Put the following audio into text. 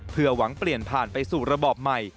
เพื่อหวังเปลี่ยนผ่านไปสู่ระบอบใหม่